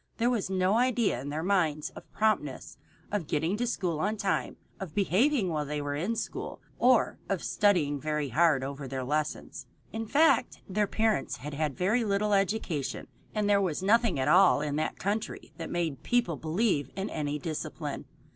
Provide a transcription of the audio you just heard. There was no idea in their minds of promptness, of getting to school on time, of behaving while they were in school, or of studying very hard over their lessons. In fact, their parents had had very little education, and there was nothing in all that country that made people believe in any discipline.